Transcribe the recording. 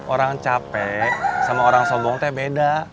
orang capek sama orang sobong itu beda